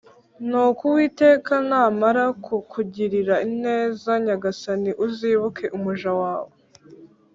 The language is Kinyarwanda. Nuko Uwiteka namara kukugirira neza Nyagasani, uzibuke umuja wawe.